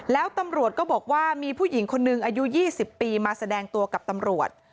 แล้วตำรวจก็บอกว่ามีผู้หญิงคนนึงอายุ๒๐ปีมาแสดงตัวกับตำรวจ